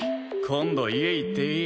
今度家行っていい？